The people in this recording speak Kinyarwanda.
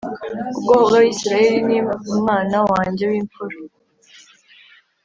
ubwoko bw’Abisiraheli ni umwana wanjye w’imfura